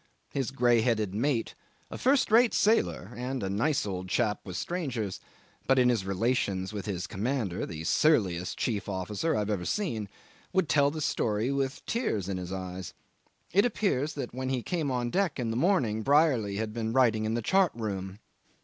His grey headed mate, a first rate sailor and a nice old chap with strangers, but in his relations with his commander the surliest chief officer I've ever seen, would tell the story with tears in his eyes. It appears that when he came on deck in the morning Brierly had been writing in the chart room.